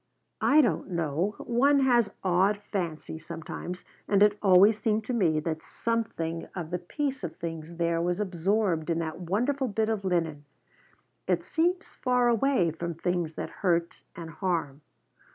I don't know, one has odd fancies sometimes, and it always seemed to me that something of the peace of things there was absorbed in that wonderful bit of linen. It seems far away from things that hurt and harm.